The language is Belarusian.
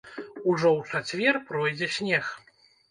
Ужо ў чацвер пройдзе снег.